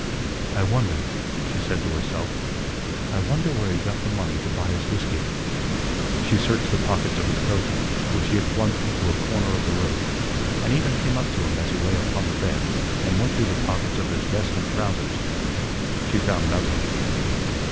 "I wonder," she said to herself, "I wonder where he got the money to buy his whiskey." She searched the pockets of his coat, which he had flung into a corner of the room, and even came up to him as he lay upon the bed and went through the pockets of his vest and trousers. She found nothing.